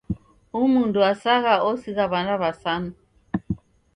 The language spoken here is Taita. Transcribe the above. Umundu wasagha osigha w'ana w'asanu.